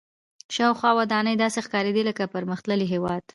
شاوخوا ودانۍ داسې ښکارېدې لکه پرمختللي هېواد.